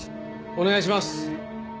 お願いします！